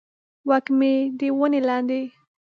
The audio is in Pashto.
وږمې د ونې لاندې